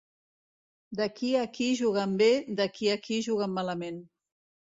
D'aquí a aquí juguen bé, d'aquí a aquí juguen malament.